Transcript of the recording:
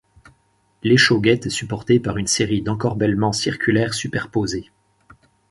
L’échauguette est supportée par une série d’encorbellements circulaires superposés.